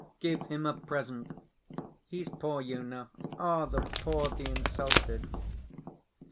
"Give him a present, he's poor, you know. Ah, the poor, the insulted!...